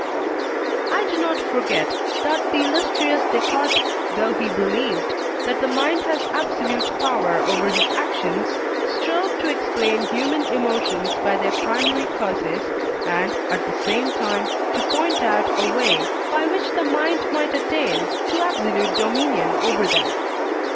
I do not forget, that the illustrious Descartes, though he believed, that the mind has absolute power over its actions, strove to explain human emotions by their primary causes, and, at the same time, to point out a way, by which the mind might attain to absolute dominion over them.